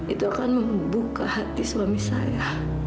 itu akan membuka hati suami saya